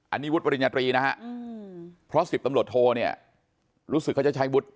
อันนี้วุฒิปริญญาตรีนะฮะเพราะ๑๐ตำรวจโทเนี่ยรู้สึกเขาจะใช้วุฒิ